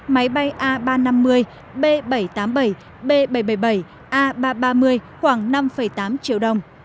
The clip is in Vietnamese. máy bay a ba trăm năm mươi b bảy trăm tám mươi bảy b bảy trăm bảy mươi bảy a ba trăm ba mươi khoảng năm tám triệu đồng